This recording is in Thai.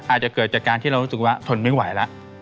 อาจจะเกิดจากการที่เรารู้สึกว่าทนไม่ไหวแล้ว